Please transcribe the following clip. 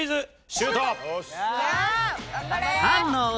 シュート！